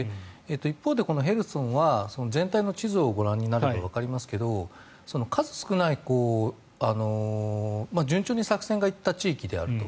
一方でヘルソンは全体の地図をご覧になればわかりますが数少ない、順調に作戦がいった地域であると。